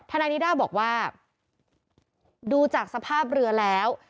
นายนิด้าบอกว่าดูจากสภาพเรือแล้ว